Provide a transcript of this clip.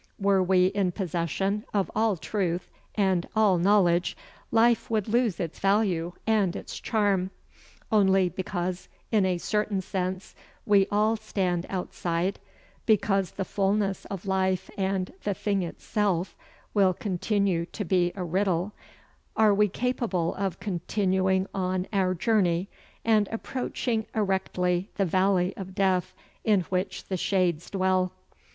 Were we in possession of all truth and all knowledge, life would lose its value and its charm. Only because, in a certain sense, we all stand outside, because the fullness of life and "the thing itself" will continue to be a riddle, are we capable of continuing on our journey and approaching erectly the valley of death in which the shades dwell.